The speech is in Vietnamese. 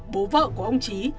bố vợ của ông trí